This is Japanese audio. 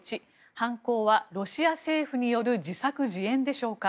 １犯行はロシア政府による自作自演でしょうか。